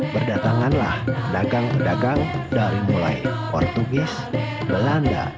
berdatanganlah dagang pedagang dari mulai portugis belanda